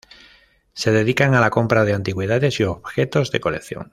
Se dedican a la compra de antigüedades y objetos de colección.